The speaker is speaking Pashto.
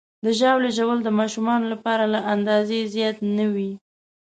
د ژاولې ژوول د ماشومانو لپاره له اندازې زیات نه وي.